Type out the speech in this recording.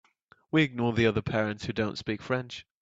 We ignore the other parents who don’t speak French.